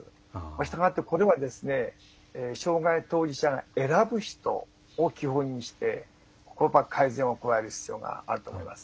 したがって、これは障害当事者が選ぶ人を基本にして改善を行う必要があると思います。